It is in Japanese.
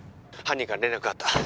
犯人から連絡があった